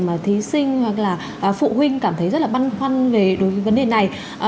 mà thí sinh hoặc là phụ huynh cảm thấy rất là băn khoăn về đối với vấn đề này